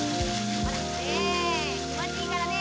ほらねえきもちいいからね。